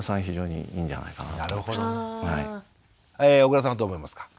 非常にいいんじゃないかなと思いました。